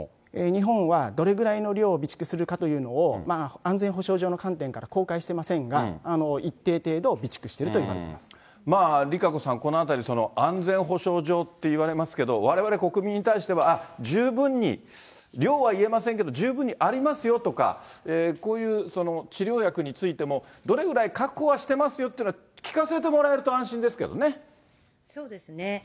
日本はどれぐらいの量を備蓄するかというのを、安全保障上の観点から公開してませんが、一定程度備蓄していると言われていまＲＩＫＡＣＯさん、このあたり、安全保障上って言われますけど、われわれ国民に対しては、十分に、量は言えませんけど、十分にありますよとか、こういう、治療薬についても、どれぐらい確保はしてますよっていうのは、聞かせてもらえると安そうですね。